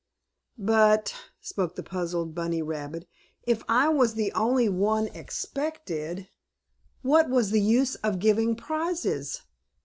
"But," spoke the puzzled bunny rabbit, "if I was the only one expected, what was the use of giving prizes?